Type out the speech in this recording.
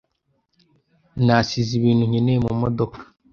Nasize ibintu nkeneye mumodoka.